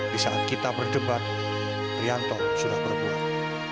di saat kita berdebat prianto sudah berbuat